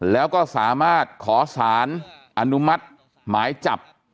แล้วก็สามารถขอสารอนุมัติหมายจับ